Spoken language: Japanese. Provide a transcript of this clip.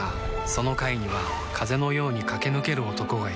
その階には風のように駆け抜ける男がいた